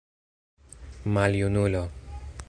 maljunulo